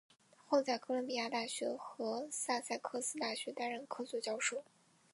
后在哥伦比亚大学和萨塞克斯大学担任客座教授。